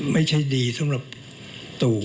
ไม่ใช่ดีสำหรับตู่